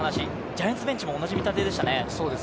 ジャイアンツベンチも同じ見立てでしたね。